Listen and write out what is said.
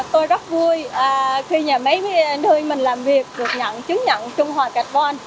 tôi rất vui khi nhà máy nơi mình làm việc được chứng nhận trung hòa carbon